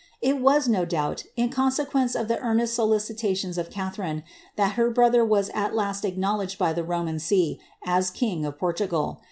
was, no doubt, in consequence of the earnest solicitations of Catha , that her brother was at last acknowledged by the Roman see as ; of Portugal.